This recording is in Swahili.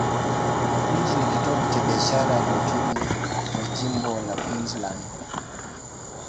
Mji ni kitovu cha biashara na uchumi kwa jimbo la Queensland.